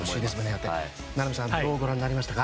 名波さんどうご覧になりましたか？